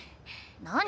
何？